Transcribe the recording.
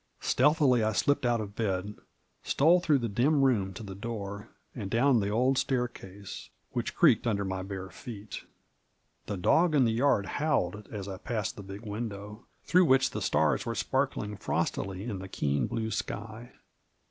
Stealthily I slipped out of bed, stole through the dim room to the door, and down the old staircase, which creaked under my bare feet. The dog in the yard howled as I passed the big window, through which the stars were sparkling frostily in the keen blue sky.